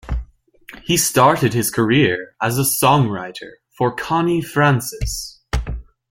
He started his career as a songwriter for Connie Francis.